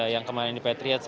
yang kemarin di patriots